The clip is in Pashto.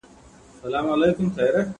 موسيقي واوره